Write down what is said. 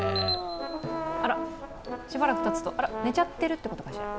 あらっ、しばらくたつと寝ちゃってるってことかしら。